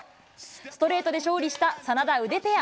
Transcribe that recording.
ストレートで勝利した眞田・ウデペア。